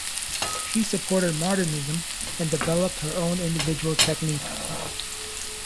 She supported modernism and developed her own individual technique.